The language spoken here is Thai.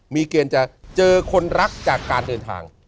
มีเกณฑ์จะเจอคนรักจากการเดินทาง